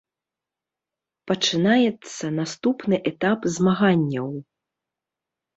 Пачынаецца наступны этап змаганняў.